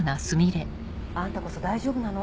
あんたこそ大丈夫なの？